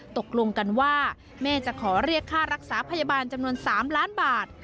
ตกลงกันว่าแม่จะขอเรียกค่ารักษาพยาบาลจำนวน๓ล้านบาท